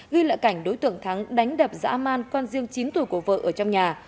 ghi lại cảnh đối tượng thắng đánh đập dã man con riêng chín tuổi của vợ ở trong nhà